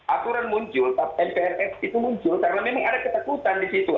aturan muncul mprs itu muncul karena memang ada ketakutan di situ